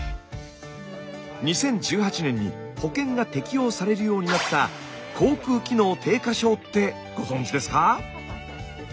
２０１８年に保険が適用されるようになったってご存じですか？